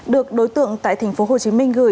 được đối tượng tại tp hcm gửi cho người nhận tại úc